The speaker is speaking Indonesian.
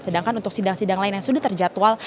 sedangkan untuk sidang sidang lain yang sudah terjadwal